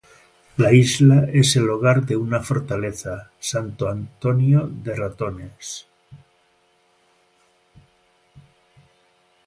La isla es el hogar de una fortaleza, Santo Antônio de Ratones.